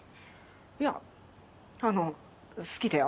いやあの好きだよ。